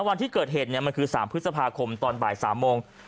วันที่เกิดเหตุมันคือ๓พฤษภาคมตอนบ่าย๓โมง